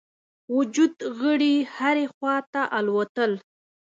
وجود غړي هري خواته الوتل.